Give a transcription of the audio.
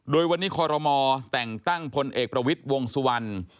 โดยวันนี้คอรมอแต่งตั้งพลเอกประวิทย์วงสุวรรณ